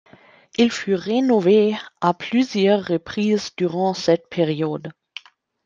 Il fut rénové à plusieurs reprises durant cette période.